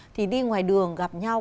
thì đi ngoài đường gặp nhau